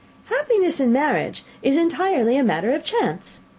Happiness in marriage is entirely a matter of chance.